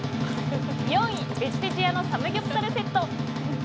４位、ベジテジやのサムギョプサルセット。